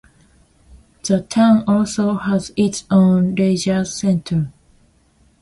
The town also has its own leisure centre.